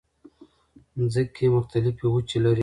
مځکه مختلفې وچې لري.